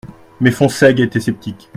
Mais Fonsègue était sceptique.